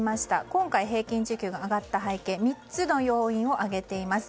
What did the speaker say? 今回、平均時給が上がった背景３つの要因を挙げています。